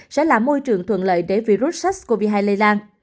sẽ là môi trường thuận lợi để virus sars cov hai lây lan